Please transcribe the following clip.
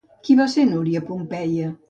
Qui va ser Núria Pompeia?